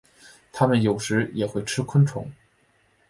它们有时也会吃昆虫。